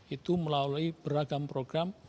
itu melalui beragam program